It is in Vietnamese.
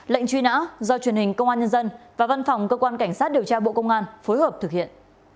lệnh truy nã do truyền hình công an nhân dân và văn phòng cơ quan cảnh sát điều tra bộ công an phối hợp thực hiện